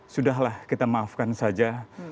sudah lah kita maafkan saja